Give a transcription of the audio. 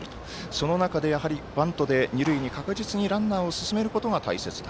その中で、やはりバントで二塁に確実にランナーを進めることが大切だ。